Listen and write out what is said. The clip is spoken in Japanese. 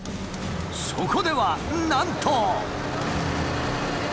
そこではなんと。